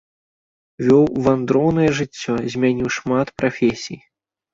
Вёў вандроўнае жыццё, змяніў шмат прафесій.